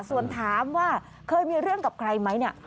ส่วนถามว่าเคยมีเรื่องกับใครไหมเนี่ย